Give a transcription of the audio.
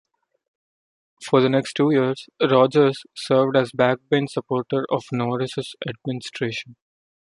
For the next two years, Rogers served as a backbench supporter of Norris's administration.